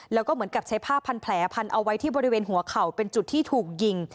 แล้วก็เหมือนกับใช้ผ้าพันแผลพันเอาไว้ที่บริเวณหัวเข่าเป็นจุดที่ถูกยิง